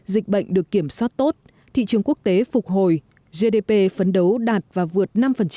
dịch bệnh được kiểm soát tốt thị trường quốc tế phục hồi gdp phấn đấu đạt và vượt năm